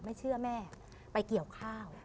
ไม่เชื่อแม่ไปเกี่ยวข้าว